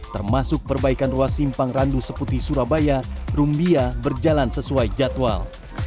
termasuk perbaikan ruas simpang randu seputi surabaya rumbia berjalan sesuai jadwal